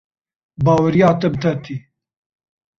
Baweriya te bi te tê.